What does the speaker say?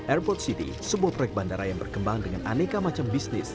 airport city sebuah proyek bandara yang berkembang dengan aneka macam bisnis